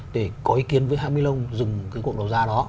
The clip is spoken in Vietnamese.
để có ý kiến với hãng milong dừng cái cuộc đấu giá đó